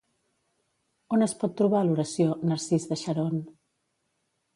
On es pot trobar l'oració "narcís de Xaron"?